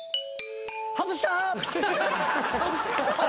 外した！